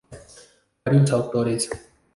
Varios Autores.